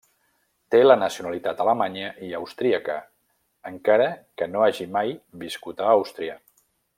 Té la nacionalitat alemanya i austríaca, encara que no hi hagi mai viscut a Àustria.